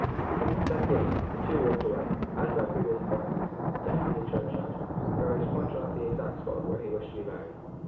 The consent given, the two walked away, as by previous appointment, to Hamley churchyard, where he was to point out to her the exact spot where he wished to be buried.